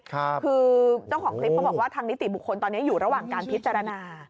คือเจ้าของคลิปเขาบอกว่าทางนิติบุคคลตอนนี้อยู่ระหว่างการพิจารณา